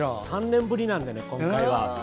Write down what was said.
３年ぶりなので、今回は。